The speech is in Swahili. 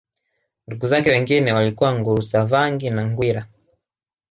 Ndugu zake wengine walikuwa Ngulusavangi na Ngwila